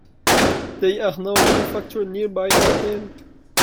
They are now manufactured nearby, in Halle.